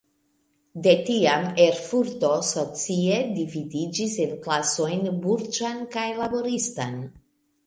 De tiam Erfurto socie dividiĝis en klasojn burĝan kaj laboristan.